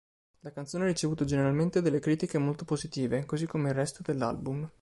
La canzone ha ricevuto generalmente delle critiche molto positive, così come il resto dell'album.